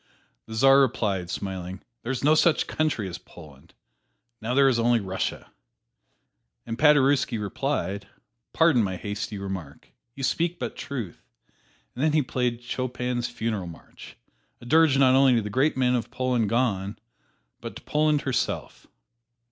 The Czar replied, smiling, "There is no such country as Poland now there is only Russia!" And Paderewski replied, "Pardon my hasty remark you speak but truth." And then he played Chopin's "Funeral March," a dirge not only to the great men of Poland gone, but to Poland herself.